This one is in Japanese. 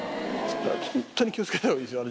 ホントに気をつけた方がいいですよ。